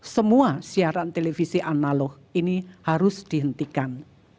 semua siaran televisi analog ini harus dihentikan